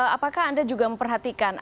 apakah anda juga memperhatikan